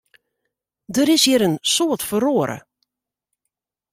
Der is hjir in soad feroare.